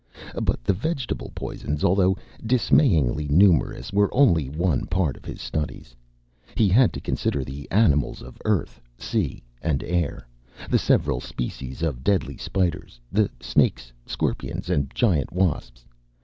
But the vegetable poisons, although dismayingly numerous, were only one part of his studies. He had to consider the animals of Earth, sea, and air, the several species of deadly spiders, the snakes, scorpions, and giant wasps.